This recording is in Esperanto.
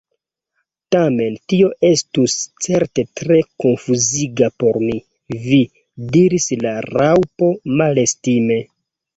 "Tamen tio estus certe tre konfuziga por mi!" "Vi!" diris la Raŭpo malestime ".